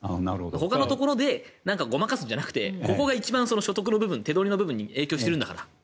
ほかのところでごまかすんじゃなくてここが一番所得の部分手取りの部分に影響してるんだから。